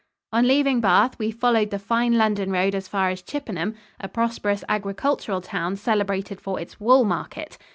On leaving Bath, we followed the fine London road as far as Chippenham, a prosperous agricultural town celebrated for its wool market.